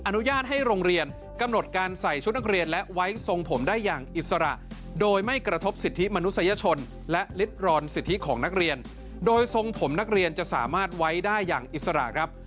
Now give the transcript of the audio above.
อนุญาตให้โรงเรียนกำหนดการใส่ชุดนักเรียนและไว้ทรงผมได้อย่างอิสระโดยไม่กระทบสิทธิมนุษยชนและลิดรอนสิทธิของนักเรียนโดยทรงผมนักเรียนจะสามารถไว้ได้อย่างอิสระครับ